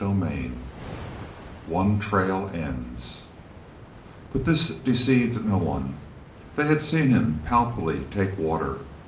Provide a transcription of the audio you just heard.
CHAPTER XX ONE TRAIL ENDS But this deceived no one. They had seen him palpably take water.